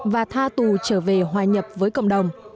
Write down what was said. và tha tù trở về hòa nhập với cộng đồng